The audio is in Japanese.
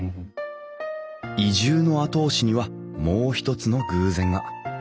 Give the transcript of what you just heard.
移住の後押しにはもうひとつの偶然が。